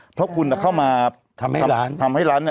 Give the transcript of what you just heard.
เพราะคุณอะเข้ามาทำให้ร้าน